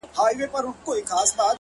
خوا نه مې جدا نه شې ازار به رانه واخلې